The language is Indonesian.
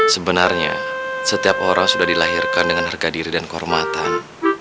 sebenarnya setiap orang sudah dilahirkan dengan harga diri dan kehormatan